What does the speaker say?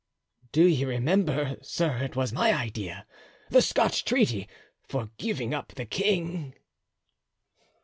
"Do you remember, sir it was my idea, the Scotch treaty, for giving up the king?"